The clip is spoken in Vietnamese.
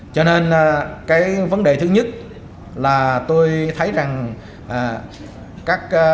cho nên cái vấn đề thứ nhất là tôi thấy rằng các